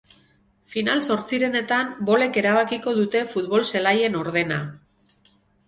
Final-zortzirenetan bolek erabakiko dute futbol-zelaien ordena.